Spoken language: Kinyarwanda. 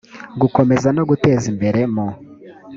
gukomeza no guteza imbere mu